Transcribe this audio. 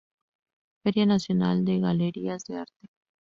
Feria Nacional de Galerías de Arte.